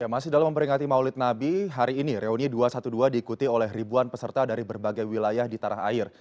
masih dalam memperingati maulid nabi hari ini reuni dua ratus dua belas diikuti oleh ribuan peserta dari berbagai wilayah di tanah air